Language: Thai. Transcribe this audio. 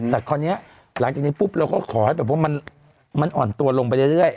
แต่คราวนี้หลังจากนี้ปุ๊บเราก็ขอให้แบบว่ามันอ่อนตัวลงไปเรื่อย